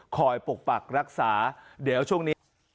ปกปักรักษาเดี๋ยวช่วงนี้